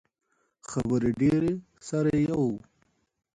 خبرې ډیرې، سر یی یو